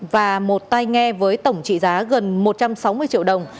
và một tay nghe với tổng trị giá gần một trăm sáu mươi triệu đồng